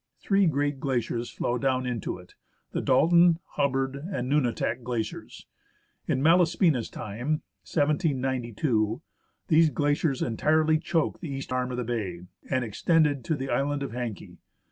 Three great glaciers flow down into it — the Dalton, Hubbard, and Nunatak glaciers. In Malaspina's time (1792), these glaciers entirely choked the east arm of the bay, and extended to the island of Haenke.